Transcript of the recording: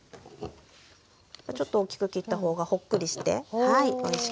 ちょっと大きく切ったほうがほっくりしておいしく仕上がります。